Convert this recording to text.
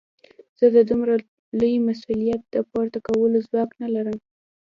زه د دومره لوی مسوليت د پورته کولو ځواک نه لرم.